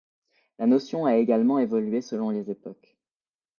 La notion a également évolué selon les époques.